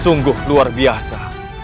sungguh luar biasa